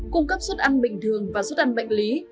cung cấp suốt ăn bình thường và suốt ăn bệnh lý